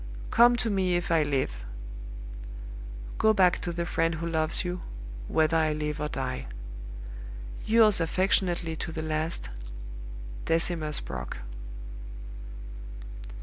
"Come to me if I live. Go back to the friend who loves you, whether I live or die. "Yours affectionately to the last, "DECIMUS BROCK."